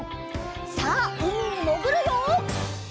さあうみにもぐるよ！